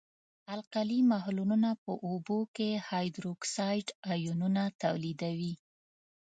القلي محلولونه په اوبو کې هایدروکساید آیونونه تولیدوي.